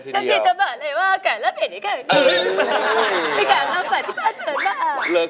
จับมือประคองขอร้องอย่าได้เปลี่ยนไป